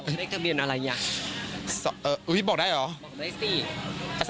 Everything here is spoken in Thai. เลขเตอรีกับเบียนอะไรอย่างพี่บอกได้หรอ